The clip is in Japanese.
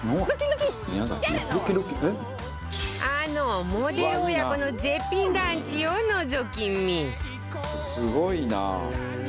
あのモデル親子の絶品ランチをのぞき見